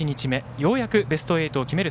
ようやくベスト８を決める